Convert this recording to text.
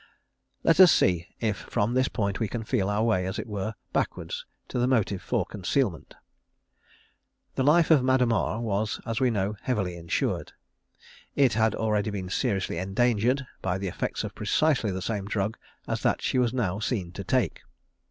_ Let us see if from this point we can feel our way, as it were, backwards, to the motive for concealment. The life of Madame R was, as we know, heavily insured. It had already been seriously endangered by the effects of precisely the same drug as that she was now seen to take.